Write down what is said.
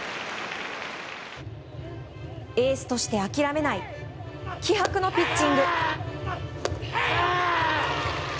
エースとして諦めない気迫のピッチング。